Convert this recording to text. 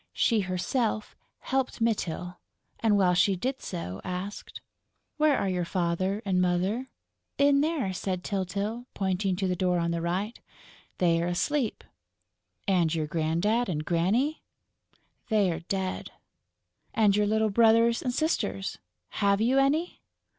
She herself helped Mytyl and, while she did so, asked: "Where are your Father and Mother?" "In there," said Tyltyl, pointing to the door on the right. "They're asleep." "And your Grandad and Granny?" "They're dead...." "And your little brothers and sisters.... Have you any?..."